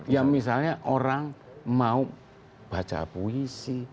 yang misalnya orang mau baca puisi